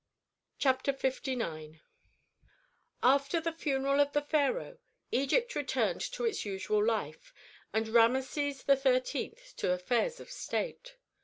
CHAPTER LIX After the funeral of the pharaoh, Egypt returned to its usual life, and Rameses XIII. to affairs of state.